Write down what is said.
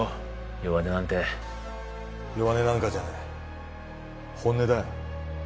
弱音なんて弱音なんかじゃない本音だよ